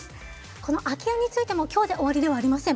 この空き家についても今日で終わりではありません。